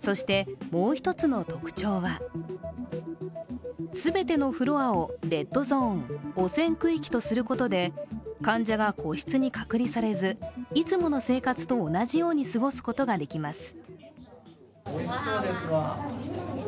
そして、もう１つの特徴は全てのフロアをレッドゾーン、汚染区域とすることで患者が個室に隔離されずいつもの生活と同じように過ごすことができます。